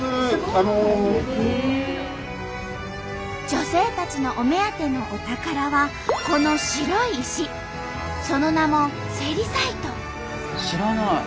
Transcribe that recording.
女性たちのお目当てのお宝はこの白い石その名も知らない。